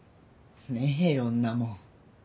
ねえよんなもん。